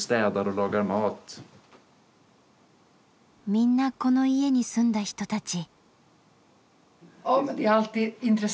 みんなこの家に住んだ人たち。